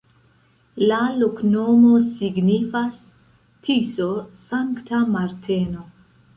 La loknomo signifas: Tiso-Sankta Marteno.